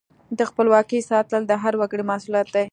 د خپلواکۍ ساتل د هر وګړي مسؤلیت دی.